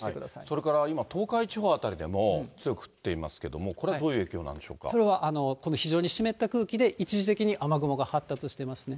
それから今、東海地方辺りでも強く降っていますけれども、これ、それはこの非常に湿った空気の影響で一時的に雨雲が発達していますね。